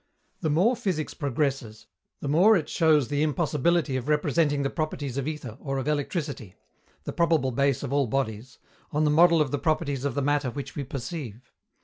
The more physics progresses, the more it shows the impossibility of representing the properties of ether or of electricity the probable base of all bodies on the model of the properties of the matter which we perceive.